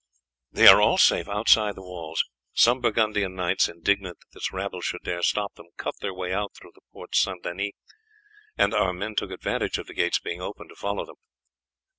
"They are all safe outside the walls. Some Burgundian knights, indignant that this rabble should dare stop them, cut their way out through the Port St. Denis, and our men took advantage of the gates being open to follow them."